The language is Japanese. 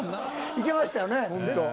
いけましたよね。